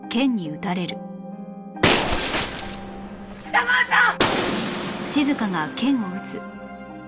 土門さん！！